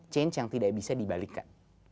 change yang tidak bisa dibalikkan